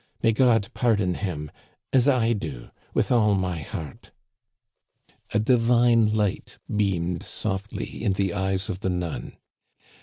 May God pardon him, as I do, with all my heart !" A divine light beamed softly in the eyes of the nun.